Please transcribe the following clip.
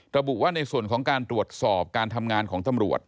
ระบุว่าในส่วนของการตรวจสอบการทำงานของตำรวจ